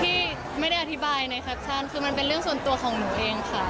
ที่ไม่ได้อธิบายในแคปชั่นคือมันเป็นเรื่องส่วนตัวของหนูเองค่ะ